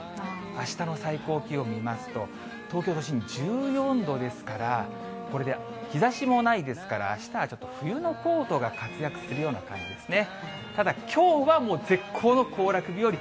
あしたの最高気温見ますと、東京都心、１４度ですから、これで日ざしもないですから、あしたはちょっと冬のコートが活躍するような感じですね。